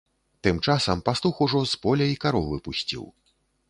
Тым часам пастух ужо з поля й каровы пусціў.